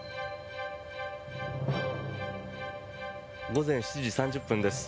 午前７時３０分です。